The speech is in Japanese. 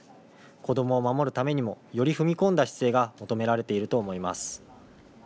子どもを守るためにもより踏み込んだ姿勢が求められていると思います。